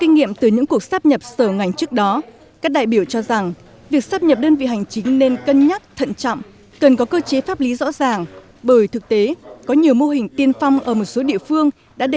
nếu sắp nhập ba sẽ làm một số lượng cán bộ dôi dư nên ứng dụng